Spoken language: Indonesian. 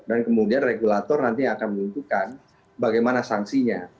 dan kemudian regulator nanti akan melakukan bagaimana sanksinya